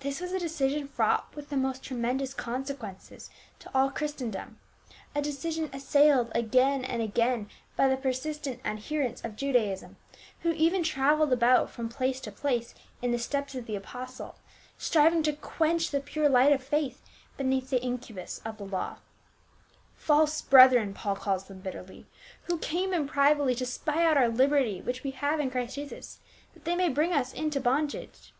This was a decision fraught with the most tremendous consequences to all Christendom, a decision assailed again and again by the persistent adherents of Judaism, who even traveled about from place to place in the steps of the apostle, striving to quench the pure lirrht of faith beneath the incubus of the law. " False brethren," Paul calls them bitterly,* " who came in privily to spy out our liberty which we have in Christ Jesus, that they may bring us into bondage."